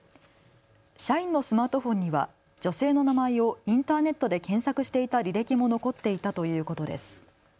社員のスマートフォンには女性の名前をインターネットで検索していた履歴も残っていたということです。